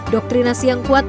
doktrinasi yang kuat